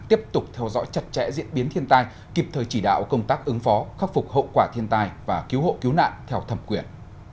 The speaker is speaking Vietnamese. tiếp tục theo dõi chặt chẽ diễn biến thiên tai kịp thời chỉ đạo công tác ứng phó khắc phục hậu quả thiên tai và cứu hộ cứu nạn theo thẩm quyền